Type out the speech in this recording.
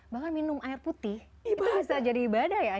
bahkan minum air putih itu bisa jadi ibadah ya